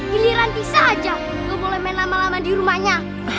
gilih rantai saja lo boleh main lama lama di rumahnya